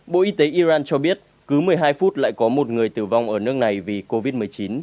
bộ y tế iran cho biết cứ một mươi hai phút lại có một người tử vong ở nước này vì covid một mươi chín